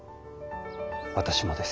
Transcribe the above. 私もです。